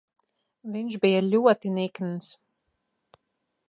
Viņš bija ļoti nikns.